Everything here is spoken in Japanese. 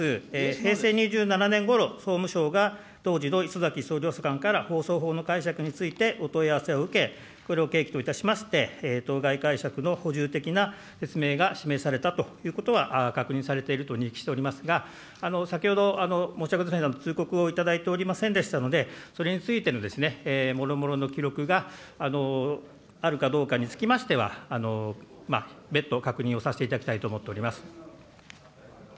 平成２７年ごろ、総務省が当時の磯崎首相補佐官から放送法の解釈についてお問い合わせを受け、これを契機といたしまして、当該解釈の補充的な説明が示されたということは確認されていると認識しておりますが、先ほど、申し訳ございますが、通告を頂いておりませんでしたので、それについてのもろもろの記録があるかどうかにつきましては、別途確認をさせていただきたいと思っております。